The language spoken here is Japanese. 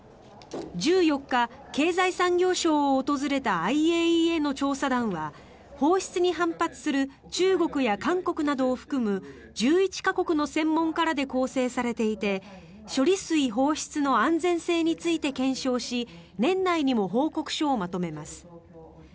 １４日、経済産業省を訪れたＩＡＥＡの調査団は放出に反発する中国や韓国などを含む１１か国の専門家らで構成されていて処理水放出の安全性について検証し年内にも報告書をまとめます。